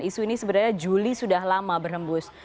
isu ini sebenarnya juli sudah lama berhembus